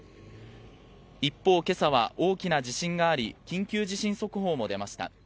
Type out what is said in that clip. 一方、けさは大きな地震があり、緊急地震速報も出ました。